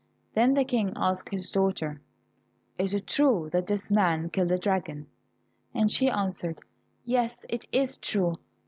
Then the King asked his daughter, "Is it true that this man killed the dragon?" And she answered, "Yes, it is true.